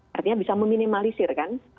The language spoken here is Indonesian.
artinya bisa meminimalisir kan